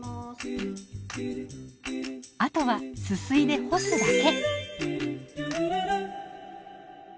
あとはすすいで干すだけ。